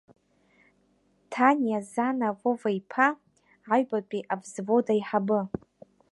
Ҭаниа Зана Вова-иԥа, аҩбатәи авзвод аиҳабы…